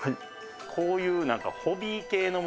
「こういう」